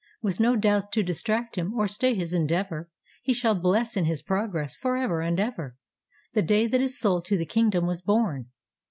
With no doubts to distract him, or stay his endeavor, He shall bless in his progress, forever and ever, The day that his soul to the Kingdom was born.